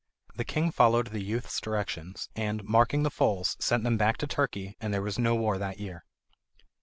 The king followed the youth's directions, and, marking the foals, sent them back to Turkey, and there was no war that year.